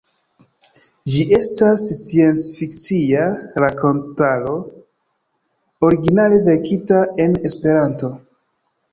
Ĝi estas sciencfikcia rakontaro originale verkita en Esperanto.